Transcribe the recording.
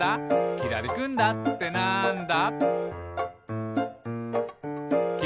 「きらりくんだってなんだ？」